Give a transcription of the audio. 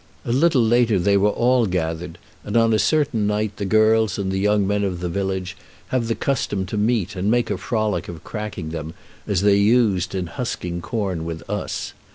A little later they were all gathered, and on a certain night the girls and the young men of the village have the custom to meet and make a frolic of cracking them, as they used in husking corn with us.